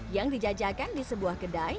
yang dijajakan di sebuah kedai